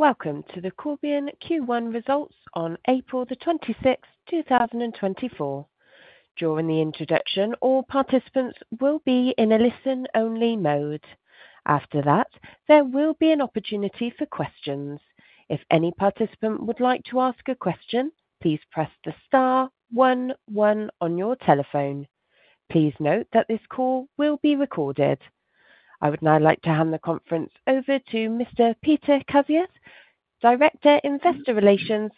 Welcome to the Corbion Q1 results on April 26, 2024. During the introduction, all participants will be in a listen-only mode. After that, there will be an opportunity for questions. If any participant would like to ask a question, please press the star one one on your telephone. Please note that this call will be recorded. I would now like to hand the conference over to Mr. Peter Kazius, Director, Investor Relations.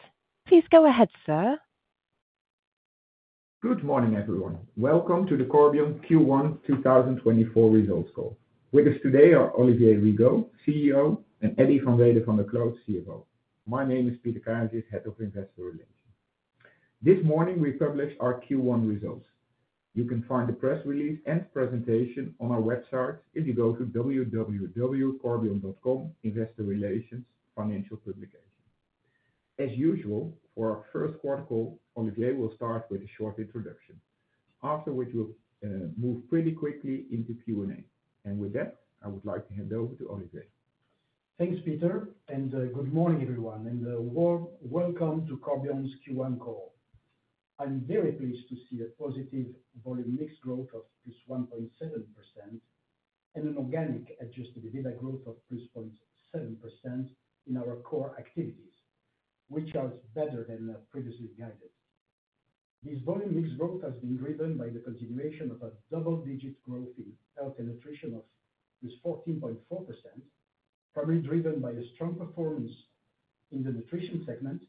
Please go ahead, sir. Good morning, everyone. Welcome to the Corbion Q1 2024 results call. With us today are Olivier Rigaud, CEO, and Eddy van Weerden van der Kloot, CFO. My name is Peter Kazius, Head of Investor Relations. This morning, we published our Q1 results. You can find the press release and presentation on our website if you go to www.corbion.com, Investor Relations, Financial Publications. As usual, for our first quarter call, Olivier will start with a short introduction. After which we'll move pretty quickly into Q&A. And with that, I would like to hand over to Olivier. Thanks, Peter, and good morning, everyone, and welcome to Corbion's Q1 call. I'm very pleased to see a positive volume mix growth of +1.7% and an organic Adjusted EBITDA growth of +0.7% in our core activities, which are better than previously guided. This volume mix growth has been driven by the continuation of a double-digit growth in health and nutrition of +14.4%, probably driven by the strong performance in the nutrition segment,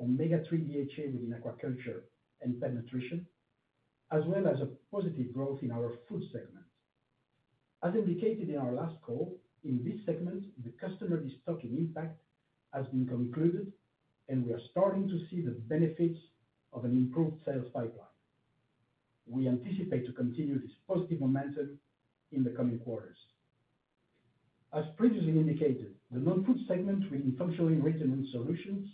omega-3 DHA within aquaculture and pet nutrition, as well as a positive growth in our food segment. As indicated in our last call, in this segment, the customer restocking impact has been concluded, and we are starting to see the benefits of an improved sales pipeline. We anticipate to continue this positive momentum in the coming quarters. As previously indicated, the non-food segment, with functional ingredient solutions,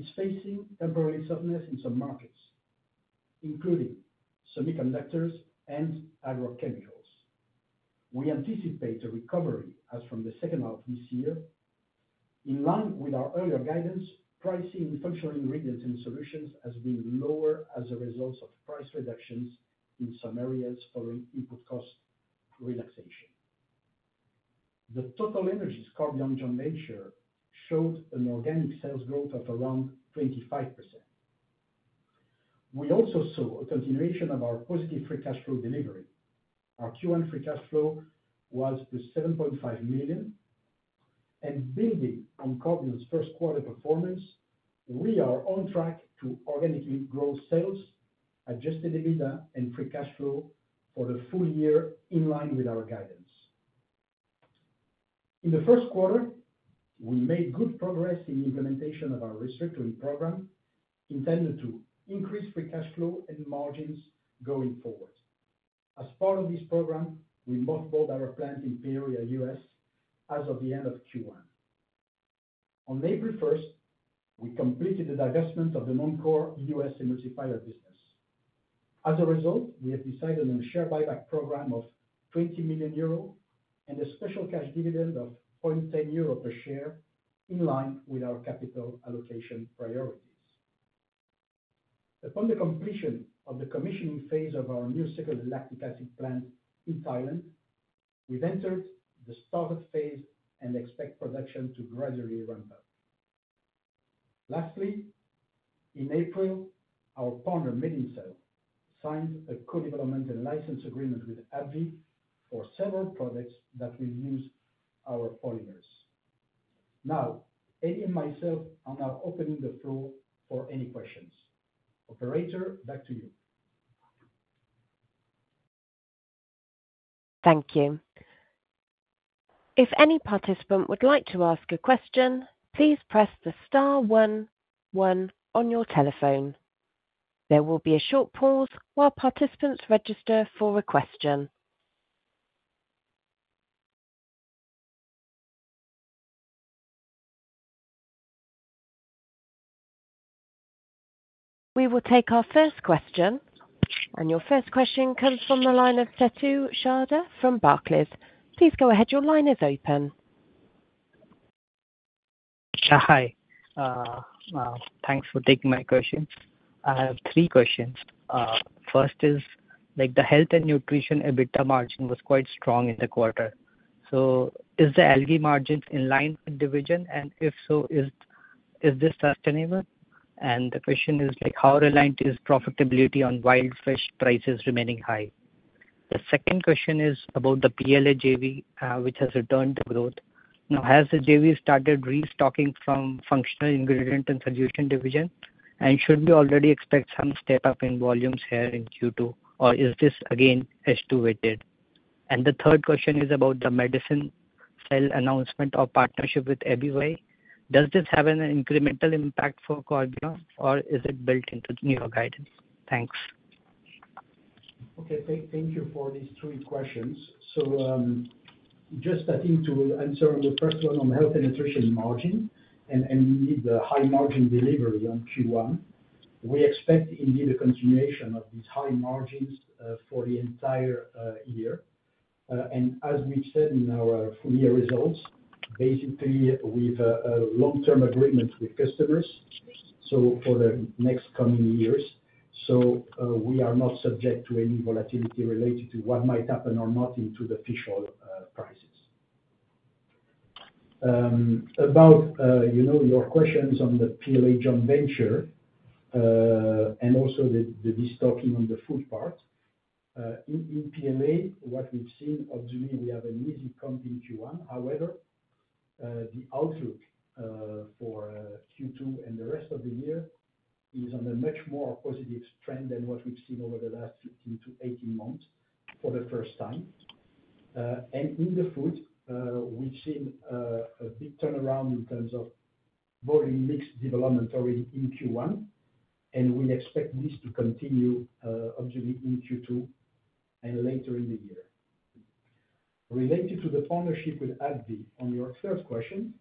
is facing temporary softness in some markets, including semiconductors and agrochemicals. We anticipate a recovery as from the second half of this year. In line with our earlier guidance, pricing functional ingredients and solutions has been lower as a result of price reductions in some areas following input cost relaxation. The TotalEnergies Corbion joint venture showed an organic sales growth of around 25%. We also saw a continuation of our positive free cash flow delivery. Our Q1 free cash flow was +7.5 million, and building on Corbion's first quarter performance, we are on track to organically grow sales, adjusted EBITDA and free cash flow for the full year in line with our guidance. In the first quarter, we made good progress in the implementation of our restructuring program, intended to increase free cash flow and margins going forward. As part of this program, we mothballed our plant in Peoria, U.S., as of the end of Q1. On April 1st, we completed the divestment of the non-core U.S. emulsifier business. As a result, we have decided on a share buyback program of 20 million euros and a special cash dividend of 0.10 euro per share, in line with our capital allocation priorities. Upon the completion of the commissioning phase of our new circular lactic acid plant in Thailand, we've entered the startup phase and expect production to gradually ramp up. Lastly, in April, our partner, MedinCell, signed a co-development and license agreement with AbbVie for several products that will use our polymers. Now, Eddy and myself are now opening the floor for any questions. Operator, back to you. Thank you. If any participant would like to ask a question, please press the star one one on your telephone. There will be a short pause while participants register for a question. We will take our first question. Your first question comes from the line of Setu Sharda from Barclays. Please go ahead. Your line is open. Hi. Thanks for taking my questions. I have three questions. First is, like the health and nutrition EBITDA margin was quite strong in the quarter. So is the algae margins in line with division? And if so, is this sustainable? And the question is like, how reliant is profitability on wild fish prices remaining high? The second question is about the PLA JV, which has returned to growth. Now, has the JV started restocking from functional ingredient and solution division? And should we already expect some step up in volumes here in Q2, or is this again, H2 weighted? And the third question is about the MedinCell announcement or partnership with AbbVie. Does this have an incremental impact for Corbion, or is it built into your guidance? Thanks. Okay, thank you for these three questions. So, just starting to answer the first one on health and nutrition margin, and indeed, the high margin delivery on Q1. We expect indeed a continuation of these high margins for the entire year. And as we've said in our full year results, basically, we've a long-term agreement with customers, so for the next coming years. So, we are not subject to any volatility related to what might happen or not into the fish oil prices. About, you know, your questions on the PLA joint venture, and also the destocking on the food part. In PLA, what we've seen, obviously, we have an easy company Q1. However, the outlook for Q2 and the rest of the year is on a much more positive trend than what we've seen over the last 15 months-18 months, for the first time. And in the food, we've seen a big turnaround in terms of volume mix development already in Q1, and we expect this to continue, obviously in Q2 and later in the year. Related to the partnership with AbbVie, on your third question,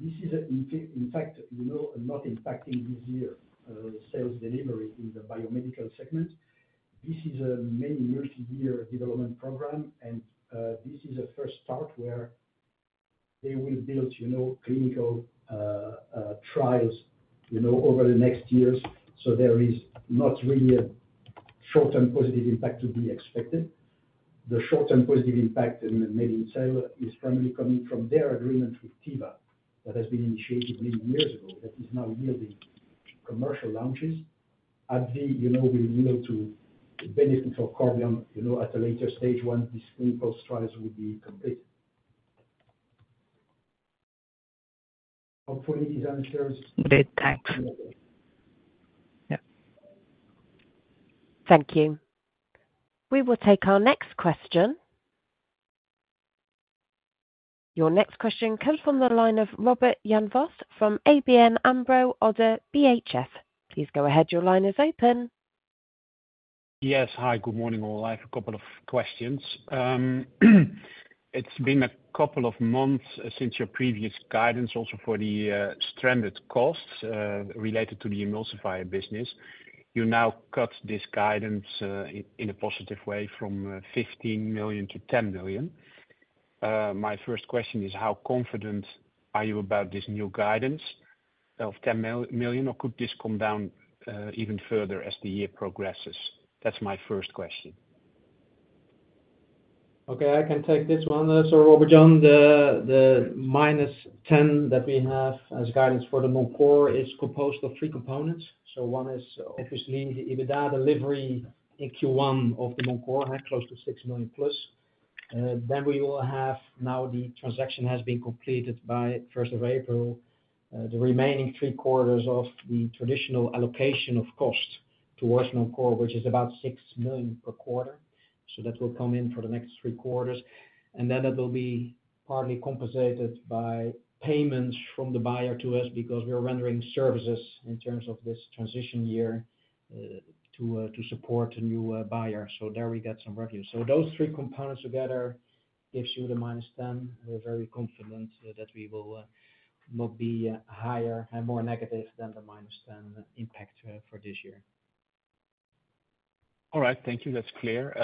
this is a, in fact, you know, not impacting this year, sales delivery in the biomedical segment. This is a many multi-year development program, and, this is a first part where they will build, you know, clinical, trials, you know, over the next years. So there is not really a short-term positive impact to be expected. The short-term positive impact in the margin sales is primarily coming from their agreement with Teva, that has been initiated many years ago, that is now yielding commercial launches. AbbVie, you know, we look to the benefit of Corbion, you know, at a later stage once these clinical trials will be complete. Hopefully this answers- Great, thanks. Yep. Thank you. We will take our next question. Your next question comes from the line of Robert Jan Vos from ABN AMRO ODDO BHF. Please go ahead, your line is open. Yes. Hi, good morning, all. I have a couple of questions. It's been a couple of months since your previous guidance, also for the, stranded costs, related to the emulsifier business. You now cut this guidance, in a positive way from, 15 million-10 million. My first question is: How confident are you about this new guidance of 10 million, or could this come down, even further as the year progresses? That's my first question. Okay, I can take this one. So Robert Jan, the -10 million that we have as guidance for the non-core is composed of three components. So one is obviously, Adjusted EBITDA delivery in Q1 of the non-core, close to 6+ million. Then we will have, now the transaction has been completed by first of April, the remaining three quarters of the traditional allocation of cost towards non-core, which is about 6 million per quarter. So that will come in for the next three quarters. And then that will be partly compensated by payments from the buyer to us, because we're rendering services in terms of this transition year, to support a new buyer. So there we get some revenue. So those three components together gives you the -10 million. We're very confident that we will not be higher and more negative than the -10 impact for this year. All right. Thank you. That's clear.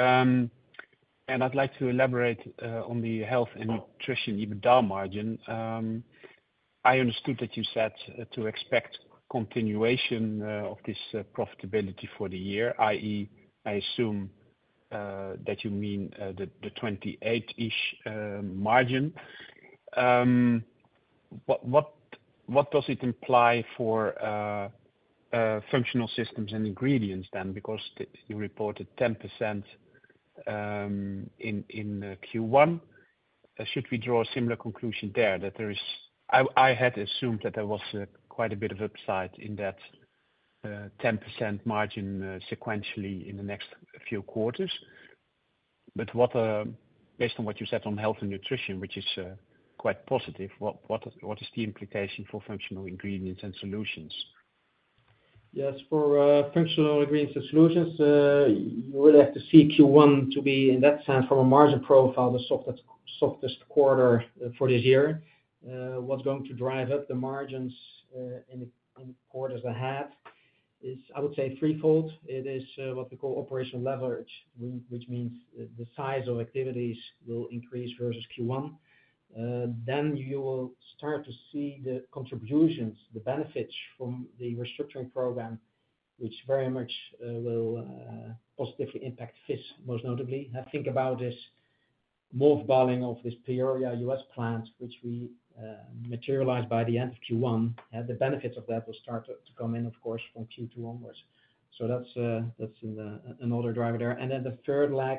I'd like to elaborate on the health and nutrition EBITDA margin. I understood that you said to expect continuation of this profitability for the year, i.e., I assume that you mean the 28-ish margin. What does it imply for functional systems and ingredients, then? Because you reported 10% in Q1. Should we draw a similar conclusion there, that there is... I had assumed that there was quite a bit of upside in that 10% margin sequentially in the next few quarters. But what, based on what you said on health and nutrition, which is quite positive, what is the implication for functional ingredients and solutions? Yes, for functional ingredients and solutions, you would have to see Q1 to be, in that sense, from a margin profile, the softest, softest quarter for this year. What's going to drive up the margins in quarters ahead is, I would say, threefold. It is what we call operational leverage, which means the size of activities will increase versus Q1. Then you will start to see the contributions, the benefits from the restructuring program, which very much will positively impact FIS, most notably. Now, think about this mothballing of this Peoria, U.S. plant, which we materialized by the end of Q1, and the benefits of that will start to come in, of course, from Q2 onwards. So that's another driver there. And then the third leg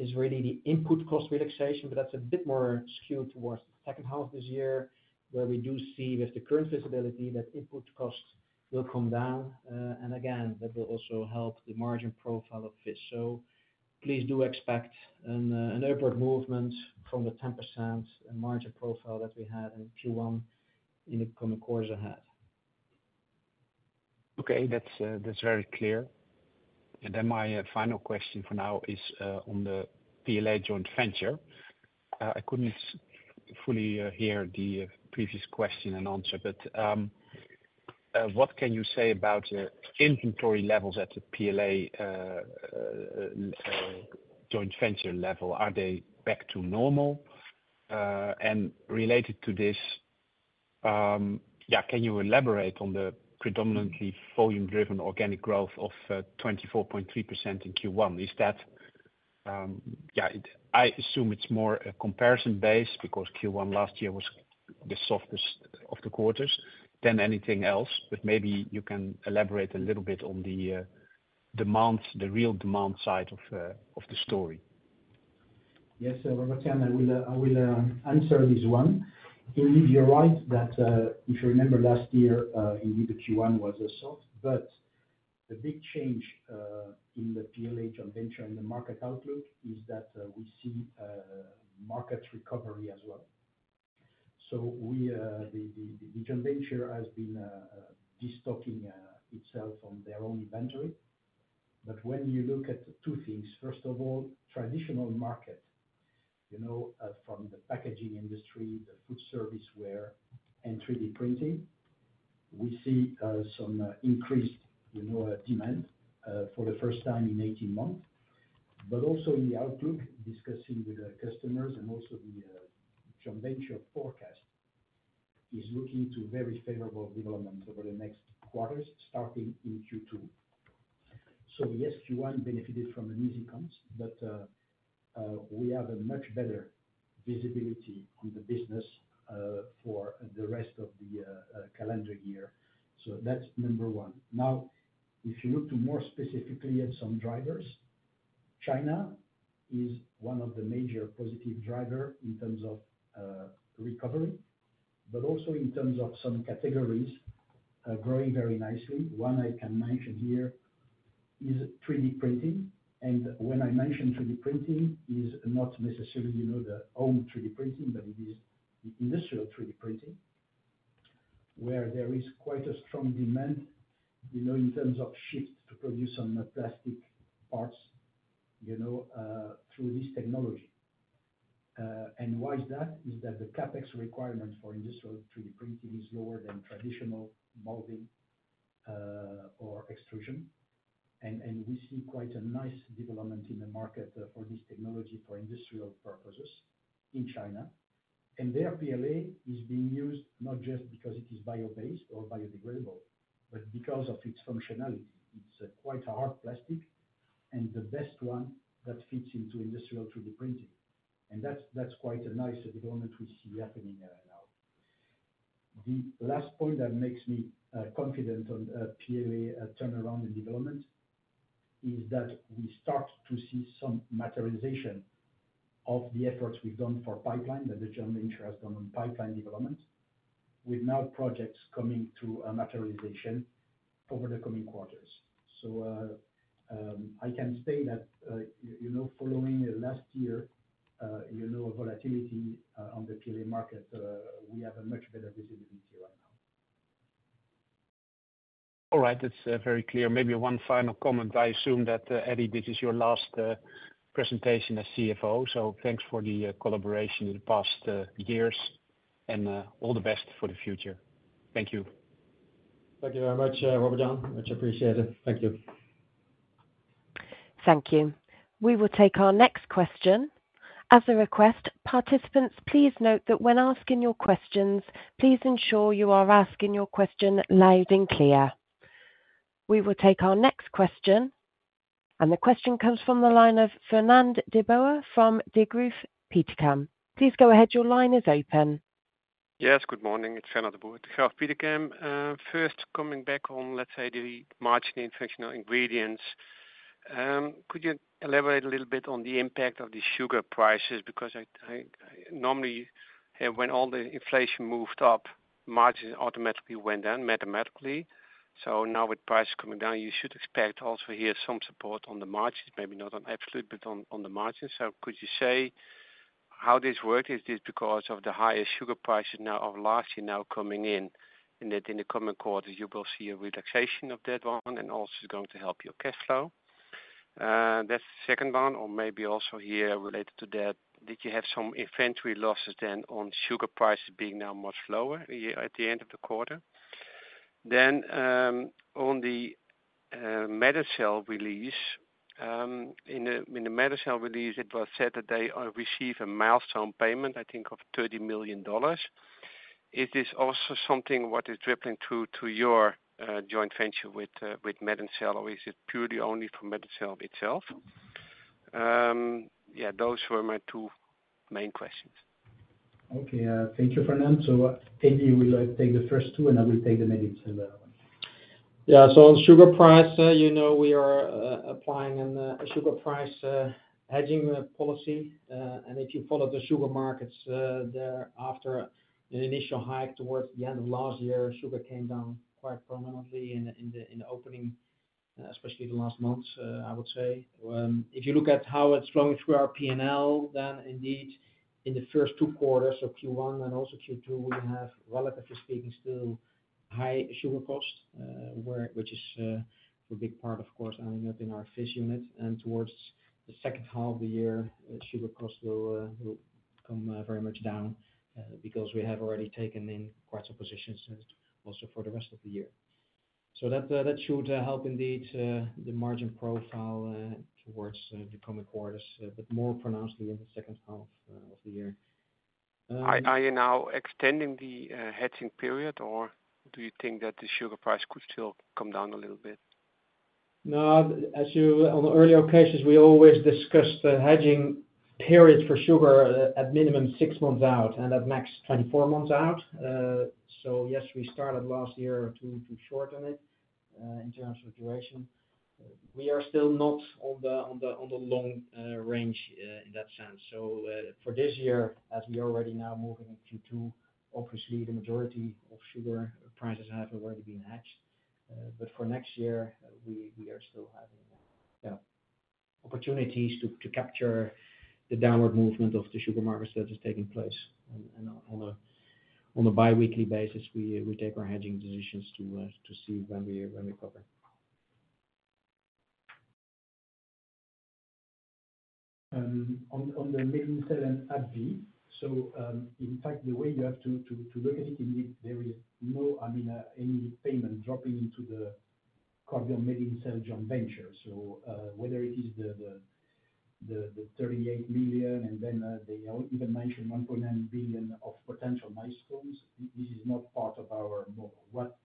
is really the input cost relaxation, but that's a bit more skewed towards the second half of this year, where we do see, with the current visibility, that input costs will come down. And again, that will also help the margin profile of FIS. So please do expect an upward movement from the 10% margin profile that we had in Q1, in the coming quarters ahead. Okay. That's very clear. Then my final question for now is on the PLA joint venture. I couldn't fully hear the previous question and answer, but what can you say about inventory levels at the PLA joint venture level? Are they back to normal? And related to this, can you elaborate on the predominantly volume-driven organic growth of 24.3% in Q1? Is that, I assume it's more a comparison base, because Q1 last year was the softest of the quarters than anything else, but maybe you can elaborate a little bit on the demand, the real demand side of the story. Yes, so Robert, I will answer this one. Indeed, you're right, that if you remember last year, indeed, the Q1 was soft, but the big change in the PLA joint venture and the market outlook is that we see market recovery as well. So the joint venture has been destocking itself from their own inventory. But when you look at two things, first of all, traditional market, you know, from the packaging industry, the food service ware, and 3D printing, we see some increased, you know, demand for the first time in 18 months. But also in the outlook, discussing with the customers and also the joint venture forecast is looking to very favorable development over the next quarters, starting in Q2. So yes, Q1 benefited from an easy comps, but we have a much better visibility on the business for the rest of the calendar year. So that's number one. Now, if you look more specifically at some drivers, China is one of the major positive drivers in terms of recovery, but also in terms of some categories growing very nicely. One I can mention here is 3D printing, and when I mention 3D printing, it is not necessarily, you know, the home 3D printing, but it is the industrial 3D printing, where there is quite a strong demand, you know, in terms of shifts to produce some plastic parts, you know, through this technology. And why is that? It is that the CapEx requirement for industrial 3D printing is lower than traditional molding or extrusion. We see quite a nice development in the market for this technology for industrial purposes in China. Their PLA is being used not just because it is bio-based or biodegradable, but because of its functionality. It's quite a hard plastic, and the best one that fits into industrial 3D printing. That's quite a nice development we see happening there now. The last point that makes me confident on PLA turnaround and development is that we start to see some materialization of the efforts we've done for pipeline, that the joint venture has done on pipeline development, with new projects coming to a materialization over the coming quarters. So, I can say that, you know, following last year, you know, volatility on the PLA market, we have a much better visibility right now. All right. That's very clear. Maybe one final comment. I assume that, Eddy, this is your last presentation as CFO, so thanks for the collaboration in the past years, and all the best for the future. Thank you. Thank you very much, Robert Jan. Much appreciated. Thank you. Thank you. We will take our next question. As a request, participants, please note that when asking your questions, please ensure you are asking your question loud and clear. We will take our next question, and the question comes from the line of Fernand de Boer from Degroof Petercam. Please go ahead. Your line is open. Yes, good morning. It's Fernand de Boer with Degroof Petercam. First coming back on, let's say, the margin in functional ingredients. Could you elaborate a little bit on the impact of the sugar prices? Because I normally, when all the inflation moved up, margins automatically went down, mathematically. So now with prices coming down, you should expect also here, some support on the margins, maybe not on absolute, but on the margins. So could you say how this work? Is this because of the higher sugar prices now, of last year now coming in, and that in the coming quarters you will see a relaxation of that one and also going to help your cash flow? That's the second one, or maybe also here related to that, did you have some inventory losses then on sugar prices being now much lower at the end of the quarter? Then, on the, MedinCell release, in the, in the MedinCell release, it was said that they received a milestone payment, I think of $30 million. Is this also something what is dripping through to your, joint venture with, with MedinCell, or is it purely only for MedinCell itself? Yeah, those were my two main questions. Okay, thank you, Fernand. So Eddy, would you like to take the first two, and I will take the MedinCell one. Yeah, so on sugar price, you know, we are applying a sugar price hedging policy. And if you follow the sugar markets, there after an initial hike towards the end of last year, sugar came down quite prominently in the opening, especially the last months, I would say. If you look at how it's flowing through our PNL, then indeed, in the first two quarters, so Q1 and also Q2, we have, relatively speaking, still high sugar costs, which is a big part, of course, ending up in our fish unit. And towards the second half of the year, sugar costs will come very much down, because we have already taken in quite some positions, and also for the rest of the year. So that should help indeed the margin profile towards the coming quarters, but more pronouncedly in the second half of the year. Are you now extending the hedging period, or do you think that the sugar price could still come down a little bit? No, as you—on the earlier occasions, we always discussed the hedging period for sugar, at minimum 6 months out, and at max 24 months out. So yes, we started last year to shorten it in terms of duration. We are still not on the long range in that sense. So, for this year, as we are already now moving into 2, obviously, the majority of sugar prices have already been hedged. But for next year, we are still having opportunities to capture the downward movement of the sugar markets that is taking place. And on a biweekly basis, we take our hedging decisions to see when we cover. On the MedinCell and AbbVie, in fact, the way you have to look at it, indeed, there is no, I mean, any payment dropping into the Corbion MedinCell joint venture. Whether it is the 38 million, and then they even mention 1.9 billion of potential milestones, this is not part of our model. What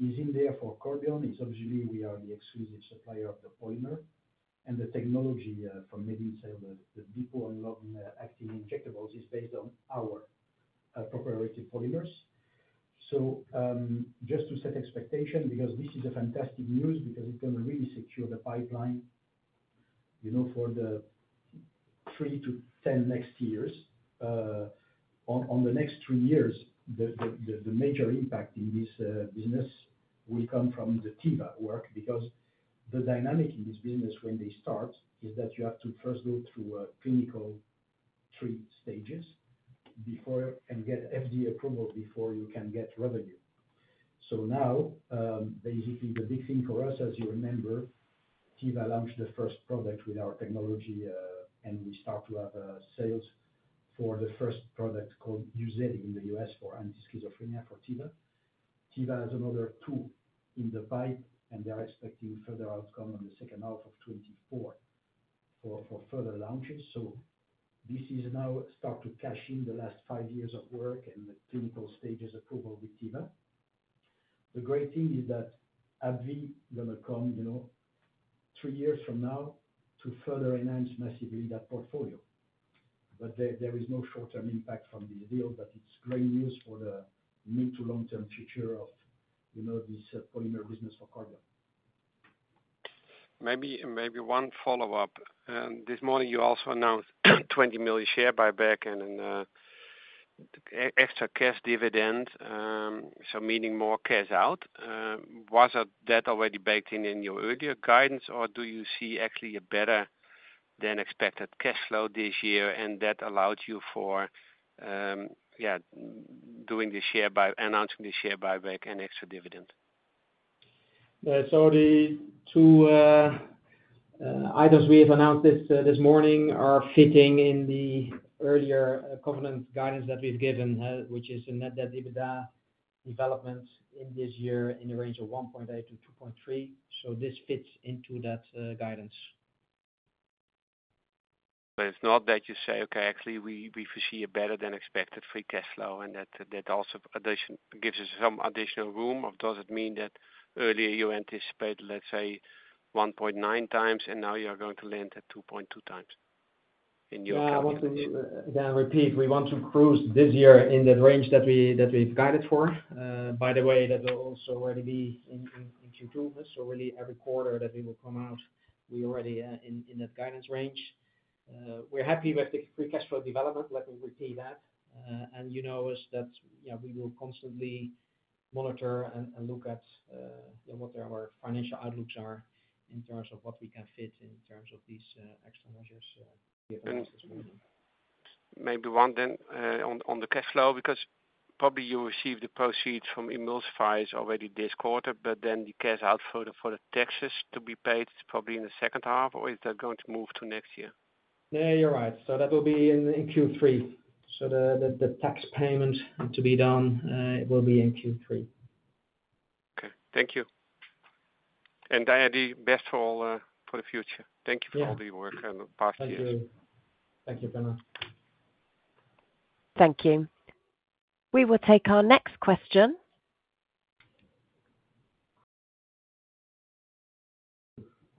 is in there for Corbion is obviously we are the exclusive supplier of the polymer, and the technology from MedinCell, the depot and long-acting injectables, is based on our proprietary polymers. Just to set expectation, because this is a fantastic news, because it's gonna really secure the pipeline, you know, for the 3-10 next years. On the next three years, the major impact in this business will come from the Teva work. Because the dynamic in this business, when they start, is that you have to first go through a clinical three stages before and get FDA approval before you can get revenue. So now, basically, the big thing for us, as you remember, Teva launched the first product with our technology, and we start to have sales for the first product called UZEDY in the U.S. for schizophrenia for Teva. Teva has another two in the pipe, and they are expecting further outcome in the second half of 2024 for further launches. So this is now start to cash in the last five years of work and the clinical stages approval with Teva. The great thing is that AbbVie gonna come, you know, three years from now to further enhance massively that portfolio. But there is no short-term impact from the deal, but it's great news for the mid to long-term future of, you know, this polymer business for Corbion. Maybe, maybe one follow-up. This morning you also announced 20 million share buyback and extra cash dividend. So meaning more cash out. Was that already baked in, in your earlier guidance, or do you see actually a better-than-expected cash flow this year, and that allowed you for doing the share buyback and extra dividend? So the two items we have announced this morning are fitting in the earlier covenant guidance that we've given, which is a net debt EBITDA development in this year, in the range of 1.8-2.3. So this fits into that guidance. But it's not that you say, "Okay, actually, we foresee a better-than-expected Free Cash Flow, and that also addition gives us some additional room," or does it mean that earlier you anticipated, let's say, 1.9 times, and now you are going to land at 2.2x in your calculation? Yeah, I want to, again, repeat, we want to cruise this year in that range that we, that we've guided for. By the way, that will also already be in Q2. So really, every quarter that we will come out, we already in that guidance range. We're happy with the Free Cash Flow development, let me repeat that. And you know us, that, you know, we will constantly monitor and look at what our financial outlooks are in terms of what we can fit in terms of these extra measures we announced this morning. Maybe one then, on the cash flow, because probably you received the proceeds from emulsifiers already this quarter, but then the cash out for the taxes to be paid is probably in the second half, or is that going to move to next year? Yeah, you're right. So that will be in Q3. So the tax payment to be done will be in Q3. Okay. Thank you. And Eddy, the best for the future. Yeah. Thank you for all the work in the past years. Thank you. Thank you, Bernard. Thank you. We will take our next question.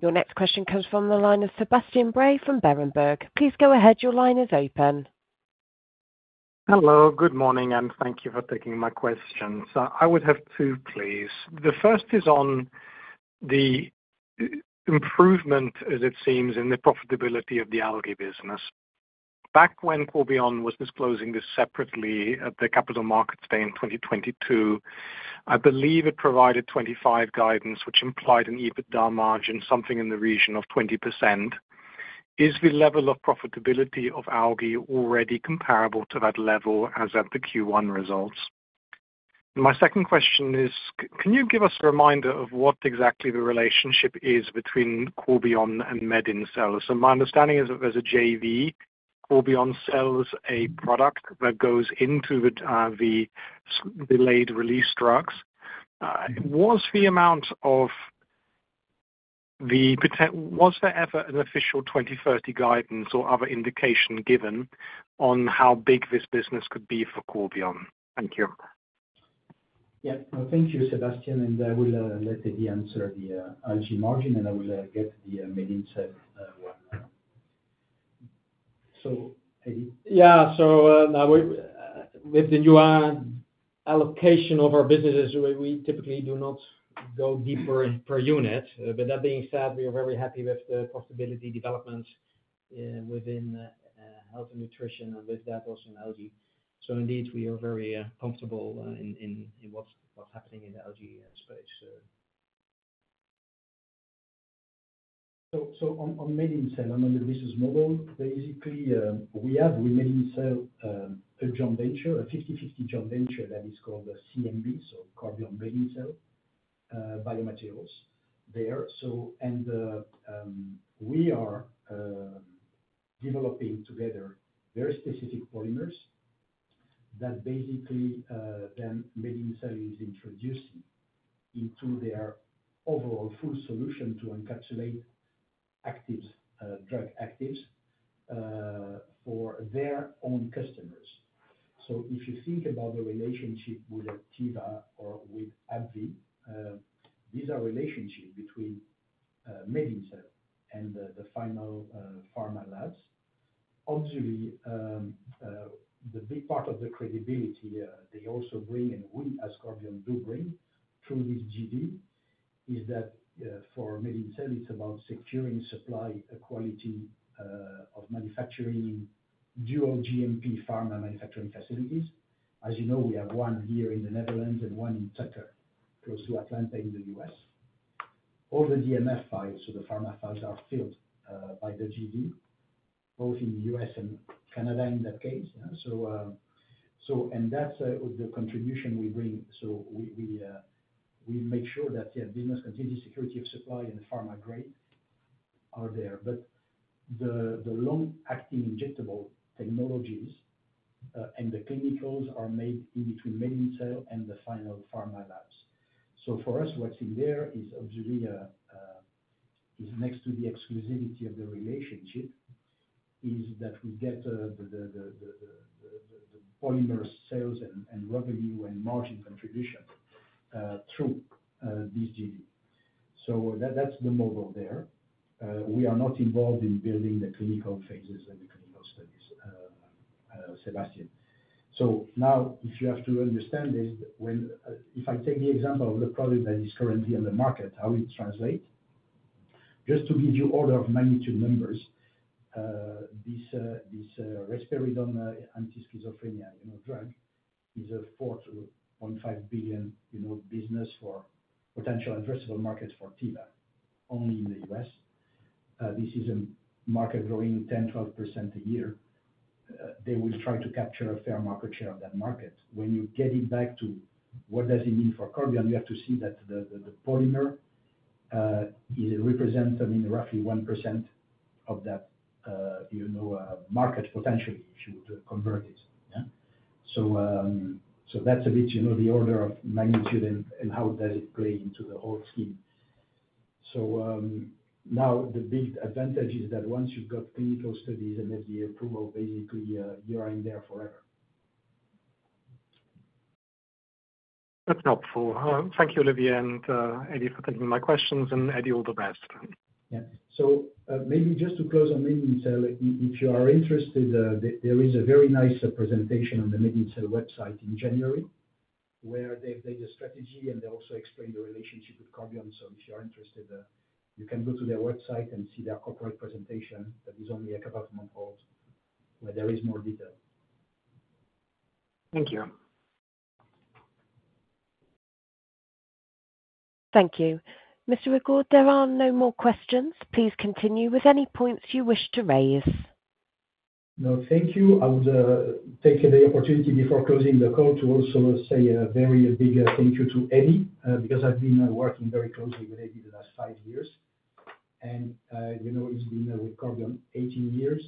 Your next question comes from the line of Sebastian Bray from Berenberg. Please go ahead. Your line is open. Hello, good morning, and thank you for taking my question. So I would have two, please. The first is on the improvement, as it seems, in the profitability of the algae business. Back when Corbion was disclosing this separately at the Capital Markets Day in 2022, I believe it provided 25 guidance, which implied an EBITDA margin, something in the region of 20%. Is the level of profitability of Algae already comparable to that level as at the Q1 results? My second question is, can you give us a reminder of what exactly the relationship is between Corbion and MedinCell? So my understanding is, as a JV, Corbion sells a product that goes into the delayed release drugs. Was there ever an official 2030 guidance or other indication given on how big this business could be for Corbion? Thank you. Yeah. Well, thank you, Sebastian, and I will let Eddy answer the Algae margin, and I will get the MedinCell one. So, Eddy? Yeah. So, now, with the new allocation of our businesses, we typically do not go deeper in per unit. But that being said, we are very happy with the profitability development within health and nutrition, and with that also in Algae. So indeed, we are very comfortable in what's happening in the Algae space. So, on MedinCell, and on the business model, basically, we have with MedinCell a joint venture, a 50/50 joint venture that is called the CMB, so Corbion MedinCell Biomaterials there. So, and, we are developing together very specific polymers, that basically, then MedinCell is introducing into their overall full solution to encapsulate actives, drug actives, for their own customers. So if you think about the relationship with Teva or with AbbVie, these are relationships between, MedinCell and the, the final, pharma labs. Obviously, the big part of the credibility, they also bring, and we as Corbion do bring through this JV, is that, for MedinCell it's about securing supply, quality, of manufacturing, dual GMP pharma manufacturing facilities. As you know, we have one here in the Netherlands and one in Tucker, close to Atlanta in the U.S. All the DMF files, so the pharma files are filled by the JV, both in the U.S. and Canada in that case. So and that's the contribution we bring, so we make sure that their business continues, security of supply and pharma grade are there. But the long-acting injectable technologies and the chemicals are made in between MedinCell and the final pharma labs. So for us, what's in there is obviously next to the exclusivity of the relationship, is that we get the polymer sales and revenue and margin contribution through this JV. So that's the model there. We are not involved in building the clinical phases and the clinical studies, Sebastian. So now, if you have to understand this, if I take the example of the product that is currently on the market, how it translate, just to give you order of magnitude numbers, this, this, risperidone, anti-schizophrenia, you know, drug, is a $4.5 billion, you know, business for potential addressable markets for Teva, only in the U.S.. This is a market growing 10%-12% a year. They will try to capture a fair market share of that market. When you get it back to what does it mean for Corbion? You have to see that the polymer, it represents, I mean, roughly 1% of that, you know, market potentially, if you were to convert it, yeah? So, so that's a bit, you know, the order of magnitude and how does it play into the whole scheme. So, now the big advantage is that once you've got clinical studies and then the approval, basically, you are in there forever. That's helpful. Thank you, Olivier, and Eddy, for taking my questions, and Eddy, all the best. Yeah. So, maybe just to close on MedinCell, if you are interested, there is a very nice presentation on the MedinCell website in January, where they've laid a strategy, and they also explain the relationship with Corbion. So if you are interested, you can go to their website and see their corporate presentation that is only a couple of months old, where there is more detail. Thank you. Thank you. Mr. Rigaud, there are no more questions. Please continue with any points you wish to raise. No, thank you. I would take the opportunity before closing the call to also say a very big thank you to Eddy, because I've been working very closely with Eddy the last 5 years. You know, he's been with Corbion 18 years,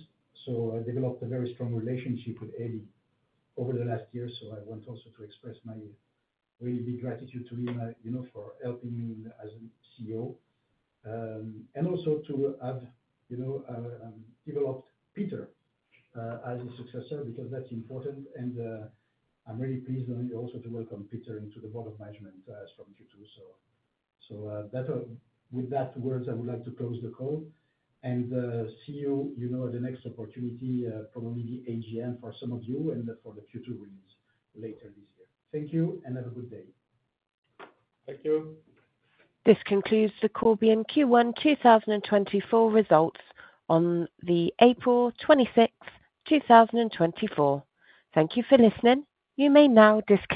so I developed a very strong relationship with Eddy over the last year. So I want also to express my really big gratitude to him, you know, for helping me as CEO. And also to have, you know, developed Peter, as a successor, because that's important. I'm really pleased also to welcome Peter into the board of management, as from Q2. So, with those words, I would like to close the call and see you, you know, the next opportunity, probably AGM for some of you and for the Q2 release later this year. Thank you and have a good day. Thank you. This concludes the Corbion Q1 2024 results on April 26, 2024. Thank you for listening. You may now disconnect.